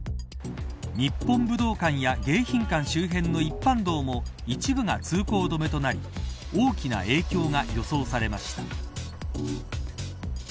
日本武道館や迎賓館周辺の一般道も一部が通行止めとなり大きな影響が予想されました。